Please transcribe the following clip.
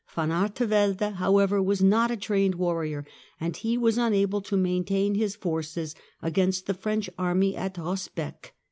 Van Artevelde, however, was not a trained warrior and he was unable to maintain Battle of his forccs against the French army at Rosbecque.